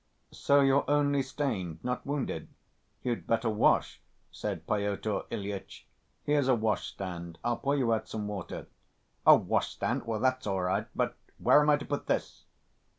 "So you're only stained, not wounded? You'd better wash," said Pyotr Ilyitch. "Here's a wash‐stand. I'll pour you out some water." "A wash‐stand? That's all right ... but where am I to put this?"